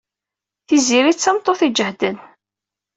Tiziri d tameṭṭut ijehden.